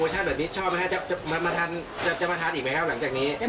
ปรโมชั่นแบบนี้ชอบไหมคะจะมาทานอีกไหมครับหลังจากนี้